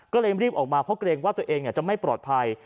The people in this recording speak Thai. ก็เลยรีบออกมาเพราะเกรงว่าตัวเองจะไม่ปลอดภัย